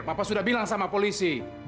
bapak sudah bilang sama polisi